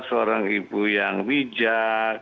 seorang ibu yang bijak